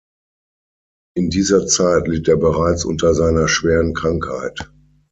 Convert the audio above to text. In dieser Zeit litt er bereits unter seiner schweren Krankheit.